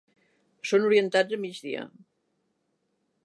Són orientats a migdia.